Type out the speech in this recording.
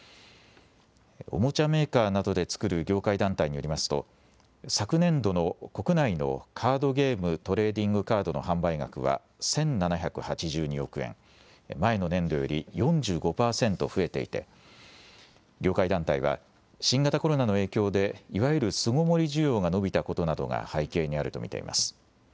おもちゃメーカーなどで作る業界団体によりますと、昨年度の国内のカードゲーム、トレーディングカードの販売額は１７８２億円、前の年度より４５％増えていて、業界団体は、新型コロナの影響で、いわゆる巣ごもり需要が伸びたことなどが背景にあると見ています。